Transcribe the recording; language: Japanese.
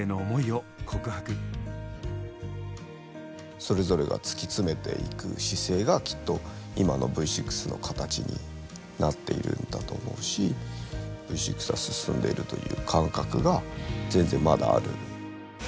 それぞれが突き詰めていく姿勢がきっと今のＶ６の形になっているんだと思うしＶ６は進んでいるという感覚が全然まだある。